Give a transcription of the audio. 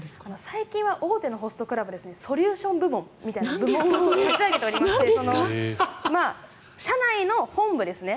最近は大手のホストクラブソリューション部門みたいなのを立ち上げていまして社内の本部ですね。